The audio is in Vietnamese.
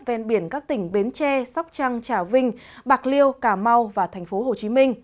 ven biển các tỉnh bến tre sóc trăng trà vinh bạc liêu cà mau và tp hcm